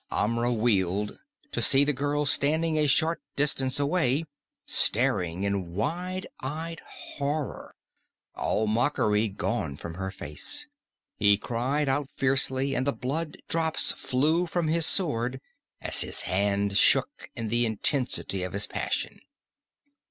Amra wheeled, to see the girl standing a short distance away, staring in wide eyed horror, all mockery gone from her face. He cried out fiercely and the blood drops flew from his sword as his hand shook in the intensity of his passion.